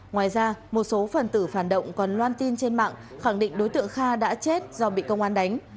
ngoài ra một số phần tử phản động còn loan tin trên mạng khẳng định đối tượng kha đã chết do bị công an đánh